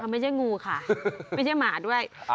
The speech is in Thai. ไม่ใช่งูค่ะไม่ใช่หมาด้วย